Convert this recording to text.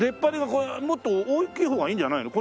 これもっと大きい方がいいんじゃないの？